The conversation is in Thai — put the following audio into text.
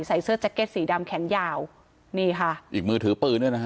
ใส่เสื้อแจ็คเก็ตสีดำแขนยาวนี่ค่ะอีกมือถือปืนด้วยนะฮะ